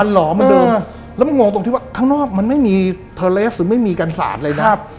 แล้วมันงงตรงที่ว่าข้างนอกมันไม่มีเทอร์เรสหรือไม่มีการสาธิตเลยนะ